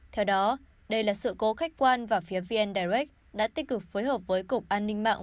theo đó đây là sự cố khách quan và phía vn direct đã tích cực phối hợp với cục an ninh mạng